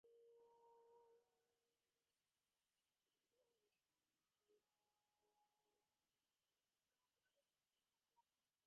Its terminals, as the name implies, are Columbus and Greenville, Mississippi.